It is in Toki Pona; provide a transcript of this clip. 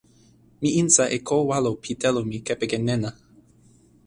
mi insa e ko walo pi telo mi kepeken nena.